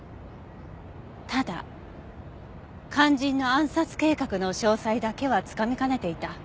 ただ肝心の暗殺計画の詳細だけはつかみかねていた。